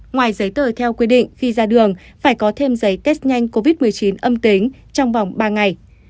ngoài giấy tờ theo quy định khi ra đường phải có thêm giấy test nhanh covid một mươi chín âm tính trong vòng ba ngày